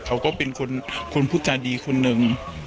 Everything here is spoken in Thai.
เขาก็เป็นคนพูดจาดีคนหนึ่ง